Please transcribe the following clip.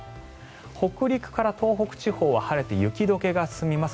北陸から東北地方は晴れて雪解けが進みます。